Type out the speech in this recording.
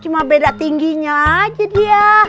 cuma beda tingginya aja dia